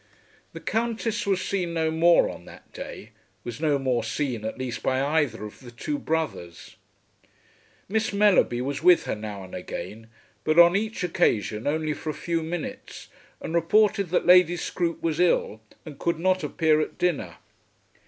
The Countess was seen no more on that day, was no more seen at least by either of the two brothers. Miss Mellerby was with her now and again, but on each occasion only for a few minutes, and reported that Lady Scroope was ill and could not appear at dinner.